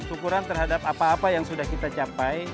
syukuran terhadap apa apa yang sudah kita capai